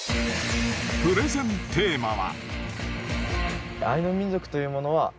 プレゼンテーマは。